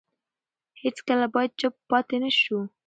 هیڅکله باید چوپ پاتې نه شو.